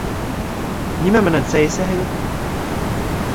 Нимә менән сәй әсәһегеҙ?